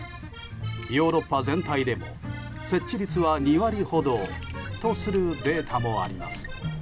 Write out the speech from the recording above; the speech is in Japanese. ヨーロッパ全体でも設置率は２割ほどとするデータもあります。